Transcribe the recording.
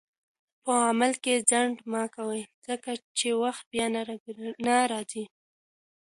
په عمل کې ځنډ مه کوه، ځکه چې وخت بیا نه راځي.